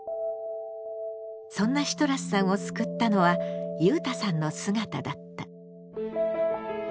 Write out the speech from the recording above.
そんなシトラスさんを救ったのはゆうたさんの姿だった。